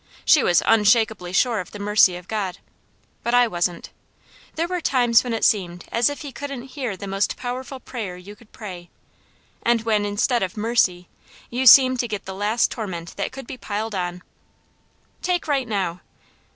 She was unshakably sure of the mercy of God, but I wasn't. There were times when it seemed as if He couldn't hear the most powerful prayer you could pray, and when instead of mercy, you seemed to get the last torment that could be piled on. Take right now.